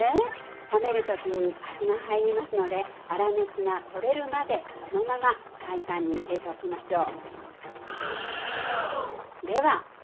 冷める時に味が入りますので粗熱が取れるまでそのままフライパンに入れておきましょう。